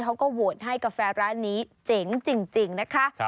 เขาก็โหวตให้กาแฟร้านนี้เจ๋งจริงนะคะ